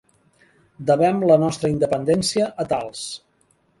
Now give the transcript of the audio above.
Devem la nostra independència a tals.